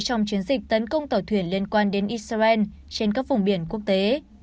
của các tàu thuyền liên quan đến israel trên các vùng biển quốc tế